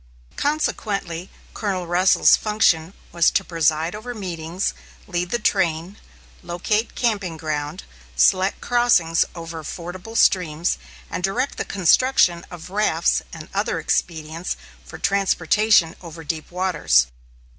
Consequently, Colonel Russell's function was to preside over meetings, lead the train, locate camping ground, select crossings over fordable streams, and direct the construction of rafts and other expedients for transportation over deep waters.